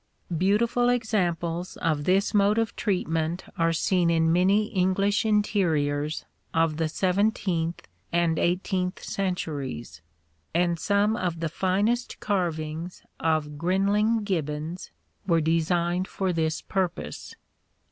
Beautiful examples of this mode of treatment are seen in many English interiors of the seventeenth and eighteenth centuries, and some of the finest carvings of Grinling Gibbons were designed for this purpose.